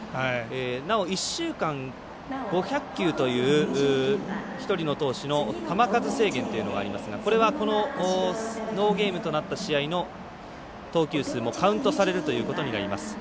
なお１週間５００球という１人の投手の球数制限というのがありますがこれは、このノーゲームとなった試合の投球数もカウントされることになります。